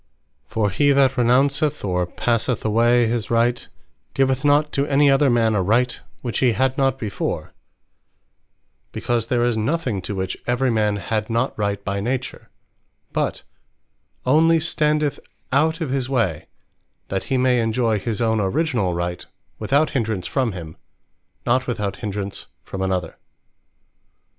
For he that renounceth, or passeth away his Right, giveth not to any other man a Right which he had not before; because there is nothing to which every man had not Right by Nature: but onely standeth out of his way, that he may enjoy his own originall Right, without hindrance from him; not without hindrance from another.